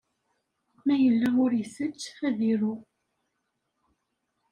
Ma yella ur ittett, ad iru.